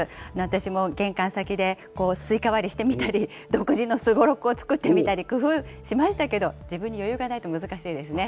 私も玄関先ですいか割りしてみたり、独自のすごろくを作ってみたり、工夫しましたけど、自分に余裕がないと難しいですね。